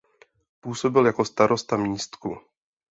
Působil jako starosta Místku.